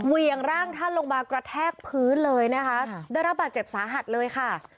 เวียงร่างท่านลงมากระแทกพื้นเลยนะคะได้รับบาดเจ็บสาหัสเลยค่ะ